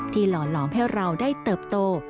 ที่หล่อให้เราได้เติบโต